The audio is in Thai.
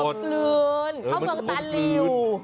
มันกกลืนเขามองตาลิ่ว